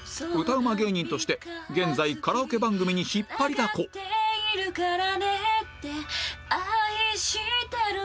歌うま芸人として現在カラオケ番組に引っ張りだこ「つながっているからねって愛してるからねって」